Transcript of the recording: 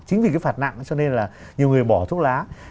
chính vì cái phạt nặng cho nên là nhiều người bỏ thuốc lá